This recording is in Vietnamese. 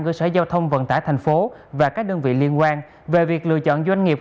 của sở giao thông vận tải thành phố và các đơn vị liên quan về việc lựa chọn doanh nghiệp